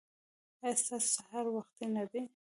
ایا ستاسو سهار وختي نه دی؟